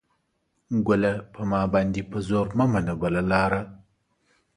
ګله ! په ما باندې په زور مه منه بله لاره